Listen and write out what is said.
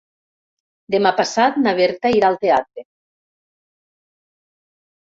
Demà passat na Berta irà al teatre.